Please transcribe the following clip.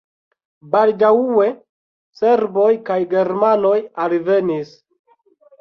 Baldaŭe serboj kaj germanoj alvenis.